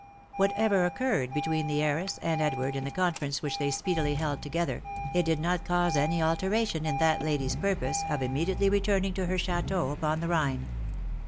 Whatever occurred between the heiress and Edward in the conference which they speedily held together, it did not cause any alteration in that lady's purpose of immediately returning to her chateau upon the Rhine.